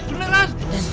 dua kali nek